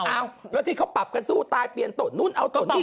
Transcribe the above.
แล้วที่เค้าปรับกันสู้ตายเปลี่ยนตนโน้นเอาตรงนี้